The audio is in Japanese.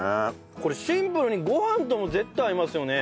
これシンプルにご飯とも絶対合いますよね。